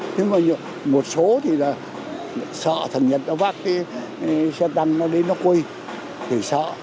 nhưng mà một số thì là sợ thằng nhật nó vác đi xe tăng nó đi nó quây thì sợ